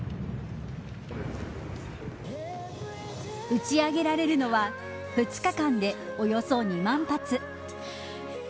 打ち上げられるのは２日間でおよそ２万発。